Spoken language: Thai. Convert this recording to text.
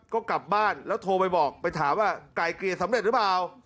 ก็กลับบ้านแล้วโทรไปบอกไปถามว่าไกลเกลี่ยสำเร็จหรือเปล่า